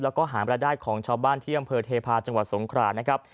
แล้วก็หารายได้ของชาวบ้านที่อำเภอเทพาะจังหวัดสงครานะครับ